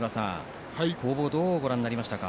攻防、どうご覧になりましたか。